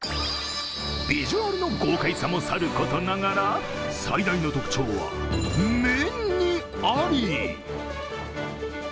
ビジュアルの豪快さもさることながら、最大の特徴は、麺にあり！